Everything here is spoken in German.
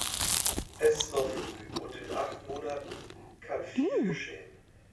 Es ist noch zu früh, und in acht Monaten kann viel geschehen.